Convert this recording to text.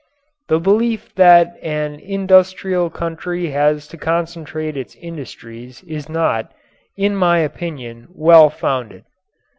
The belief that an industrial country has to concentrate its industries is not, in my opinion, well founded.